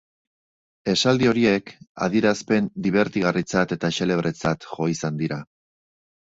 Esaldi horiek adierazpen dibertigarritzat eta xelebretzat jo izan dira.